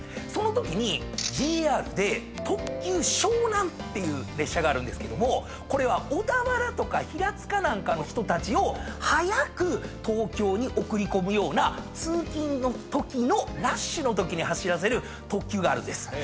そのときにＪＲで特急「湘南」っていう列車があるんですけどこれは小田原とか平塚なんかの人たちを早く東京に送り込むような通勤のときのラッシュのときに走らせる特急があるんです。